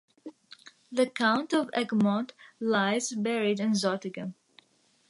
The Count of Egmont lies buried in Zottegem.